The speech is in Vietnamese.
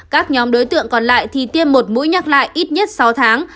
các nhóm đối tượng còn lại thì tiêm một mũi nhắc lại ít nhất sáu tháng